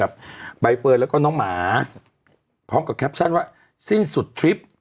ใบเฟิร์นแล้วก็น้องหมาพร้อมกับแคปชั่นว่าสิ้นสุดทริป